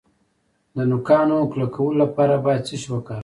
د نوکانو کلکولو لپاره باید څه شی وکاروم؟